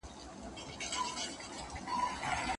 نعمان بن بشير رضي الله عنه يوه ورځ پر منبر وويل.